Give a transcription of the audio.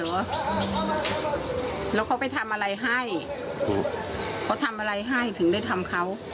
แล้วเขาไปทำอะไรให้เขาทำอะไรให้ถึงได้ทำเขา